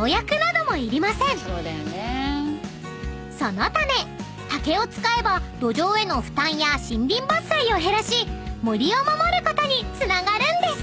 ［そのため竹を使えば土壌への負担や森林伐採を減らし森を守ることにつながるんです］